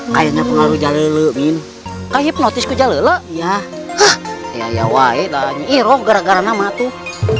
kainnya pengaruh jalelu mie hipnotis ke jalelu ya ya ya ya wae dan iroh gara garana matuh